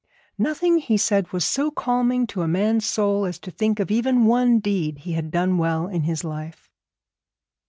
'Nothing,' he said, 'was so calming to a man's soul as to think of even one deed he had done well in his life.'